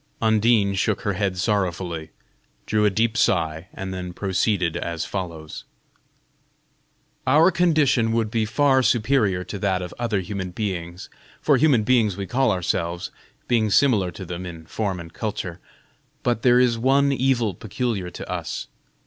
Undine shook her head sorrowfully, drew a deep sigh, and then proceeded as follows: "Our condition would be far superior to that of other human beings for human beings we call ourselves, being similar to them in form and culture but there is one evil peculiar to us.